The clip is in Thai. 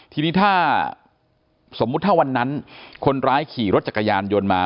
ทีนี้ถ้าสมมุติถ้าวันนั้นคนร้ายขี่รถจักรยานยนต์มา